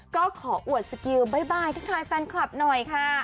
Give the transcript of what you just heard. ก็ขออวดสกิลบ๊ายบายทักทายแฟนคลับหน่อยค่ะ